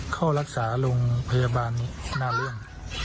เข้ารักษาโรงพยาบาลน่าเรื่อง